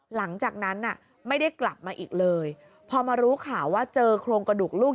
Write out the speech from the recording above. หลังจากนั้นน่ะไม่ได้กลับมาอีกเลยพอมารู้ข่าวว่าเจอโครงกระดูกลูก